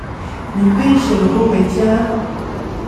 你為什麼不回家？